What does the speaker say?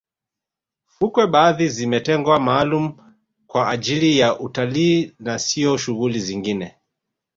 fukwe baadhi zimetengwa maalumu kwa ajili ya utalii na siyo shughuli zingine